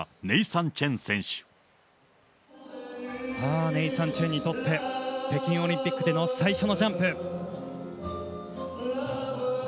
ネイサン・チェンにとって、北京オリンピックでの最初のジャンプ。